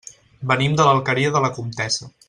Venim de l'Alqueria de la Comtessa.